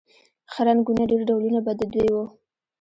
ښه رنګونه ډېر ډولونه به د دوی و